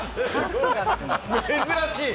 珍しい！